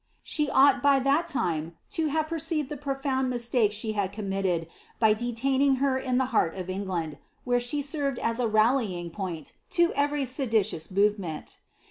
She ought by that time to have perceived the profound mistake she had committed by detaining her in the heart of England, where she served as a rallying point to every seditious movement.